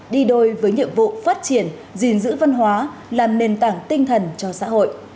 đi đôi với nhiệm vụ phát triển gìn giữ văn hóa làm nền tảng tinh thần cho xã hội